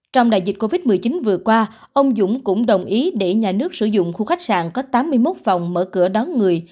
trong đại dịch covid một mươi chín vừa qua ông dũng cũng đồng ý để nhà nước sử dụng khu khách sạn có tám mươi một phòng mở cửa đón người